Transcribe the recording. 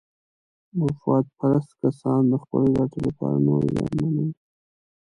مفاد پرست کسان د خپلې ګټې لپاره نور زیانمنوي.